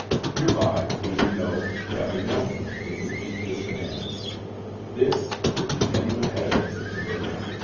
"Hereby we do know that we know Him, if we keep His commandments."' This is the genuine evidence of conversion.